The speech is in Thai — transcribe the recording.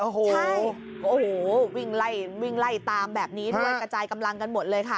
โอ้โหวิ่งไล่วิ่งไล่ตามแบบนี้ด้วยกระจายกำลังกันหมดเลยค่ะ